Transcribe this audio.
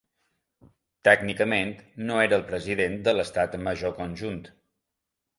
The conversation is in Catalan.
Tècnicament no era el President de l'Estat Major Conjunt.